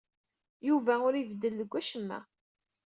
Yuba ur ibeddel deg wacemma.